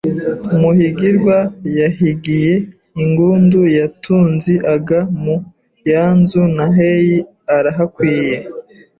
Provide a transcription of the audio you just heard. Muhigirwa yahigiye ingundu y’atunzi Aga mu yanzu Nahae arahakwiye